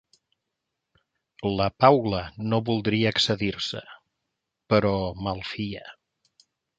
La Paula no voldria excedir-se, però malfia.